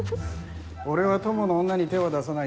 俺は友の女に手は出さない。